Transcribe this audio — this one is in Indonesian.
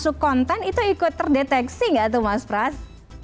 masuk konten itu ikut terdeteksi nggak tuh mas pras